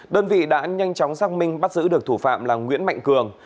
đơn vị đã nhanh chóng xác minh bắt giữ được thủ phạm là nguyễn mạnh cường